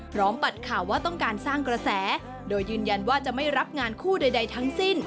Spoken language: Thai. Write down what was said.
ปัดข่าวว่าต้องการสร้างกระแสโดยยืนยันว่าจะไม่รับงานคู่ใดทั้งสิ้น